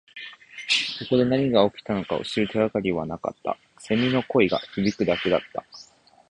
ここで何が起きたのかを知る手がかりはなかった。蝉の声が響くだけだった。